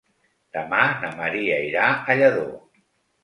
Demà na Maria irà a Lladó.